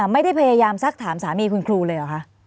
ไม่ได้พยายามซักถามสามีคุณครูเลยเหรอคะ